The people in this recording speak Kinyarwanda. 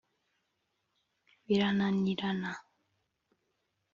birananirana